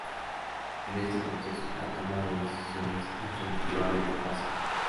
En este contexto, la toma de decisiones es relativamente fácil.